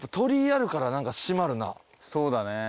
そうだね。